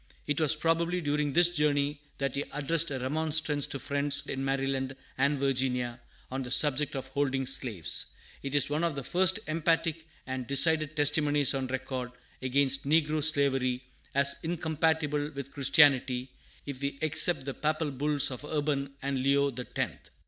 It was probably during this journey that he addressed a remonstrance to friends in Maryland and Virginia on the subject of holding slaves. It is one of the first emphatic and decided testimonies on record against negro slavery as incompatible with Christianity, if we except the Papal bulls of Urban and Leo the Tenth.